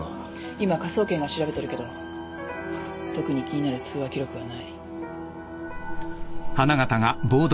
今科捜研が調べてるけど特に気になる通話記録はない。